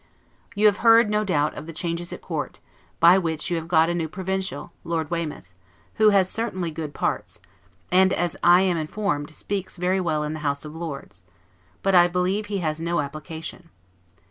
You have heard, no doubt, of the changes at Court, by which you have got a new provincial, Lord Weymouth; who has certainly good parts, and, as I am informed, speaks very well in the House of Lords; but I believe he has no application.